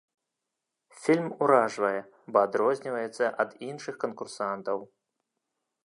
Фільм уражвае, бо адрозніваецца ад іншых канкурсантаў.